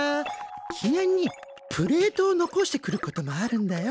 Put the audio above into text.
記念にプレートを残してくることもあるんだよ。